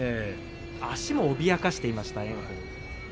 炎鵬足を脅かしていました。